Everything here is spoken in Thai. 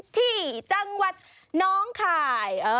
ที่จังหวัดน้องคาย